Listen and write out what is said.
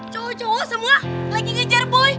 cowok cowok semua lagi ngejar boy